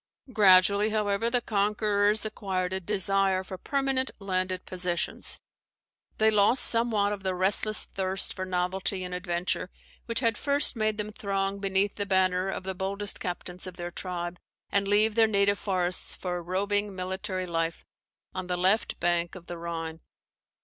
Gradually, however, the conquerors acquired a desire for permanent landed possessions. They lost somewhat of the restless thirst for novelty and adventure which had first made them throng beneath the banner of the boldest captains of their tribe, and leave their native forests for a roving military Life on the left bank of the Rhine.